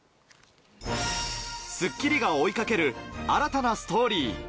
『スッキリ』が追いかける、新たなストーリー。